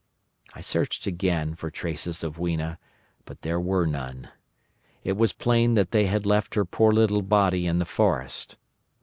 "I searched again for traces of Weena, but there were none. It was plain that they had left her poor little body in the forest.